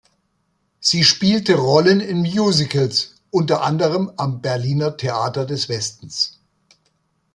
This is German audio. Sie spielte Rollen in Musicals, unter anderem am Berliner Theater des Westens.